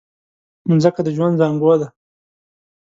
مځکه د ژوند زانګو ده.